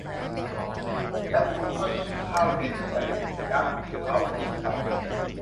และคุณก็นึกถึงข้าวเย็นใหญ่ยักษ์ที่เค้ากินไป